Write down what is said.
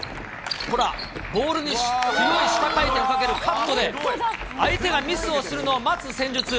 ほら、ボールに下回転をかけるカットで、相手がミスをするのを待つ戦術。